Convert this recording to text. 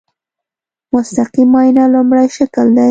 مستقیم معاینه لومړی شکل دی.